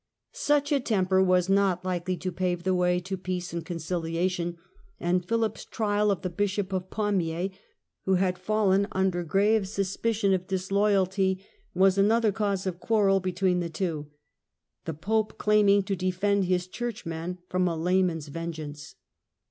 Such a temper was not likely to pave the way to peace and conciliation, and PhiHp's trial of the Bishop of Pamiers who had fallen under grave suspicion of disloyalty, was another cause of quarrel between the two, the Pope claiming to defend his churchman from a layman's vengeance.